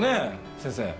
先生。